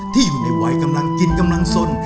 อยู่ในวัยกำลังกินกำลังสน